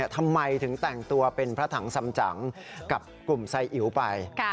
ทำไมถึงแต่งตัวเป็นพระถังสำจังกับกลุ่มไซอิ๋วไป